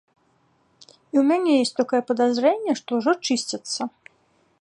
І ў мяне ёсць такое падазрэнне, што ўжо чысцяцца.